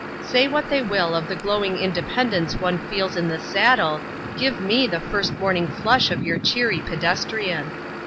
Say what they will of the glowing independence one feels in the saddle, give me the first morning flush of your cheery pedestrian